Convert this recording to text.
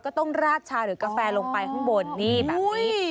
ก็ต้องราดชาหรือกาแฟลงไปข้างบนนี่แบบนี้